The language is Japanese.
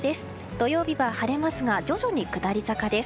土曜日は晴れますが徐々に下り坂です。